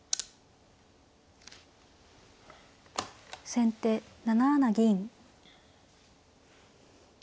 先手７七銀。